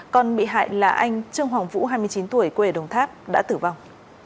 còn bị hại là anh trương hoàng vũ hai mươi chín tuổi quê ở đồng tháp đã tử vong